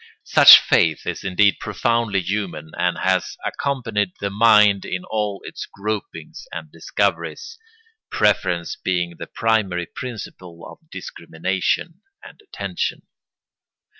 Such faith is indeed profoundly human and has accompanied the mind in all its gropings and discoveries; preference being the primary principle of discrimination and attention.